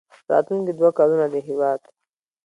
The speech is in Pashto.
راتلونکي دوه کلونه د هېواد